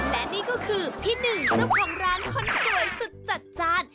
และนี่ก็คือพี่หนึ่งเจ้าของร้านคนสวยสุดจัดจ้าน